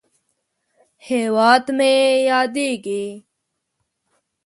هیواد مې ياديږي